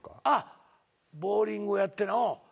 あっボウリングやっておう。